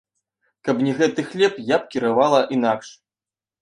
Каб не гэты хлеб, я б кіравала інакш.